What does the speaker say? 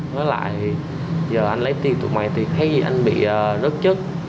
với lại thì giờ anh lấy tiền tụi mày thì thấy gì anh bị rớt chất